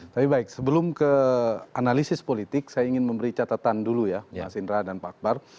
tapi baik sebelum ke analisis politik saya ingin memberi catatan dulu ya mas indra dan pak akbar